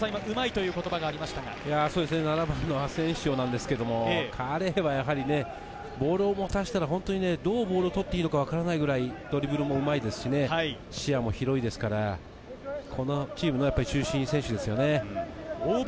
７番のアセンシオですが、彼はやはりボールを持たせたら、どうボールを取っていいのか分からないくらいドリブルもうまいですし、視野も広いですから、このチームの中心選手ですね。